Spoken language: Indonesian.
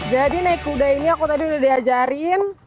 jadi naik kuda ini aku tadi udah diajarin